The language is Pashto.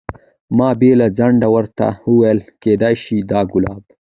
ما بې له ځنډه درته وویل کېدای شي دا ګلاب.